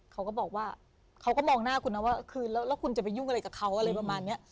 เขาก็บอกว่าเขาก็มองหน้าคุณนะว่าคืนแล้วคุณจะไปยุ่งอะไรกับเขาอะไรประมาณนี้